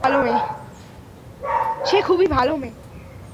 সে খুবই ভালো মেয়ে।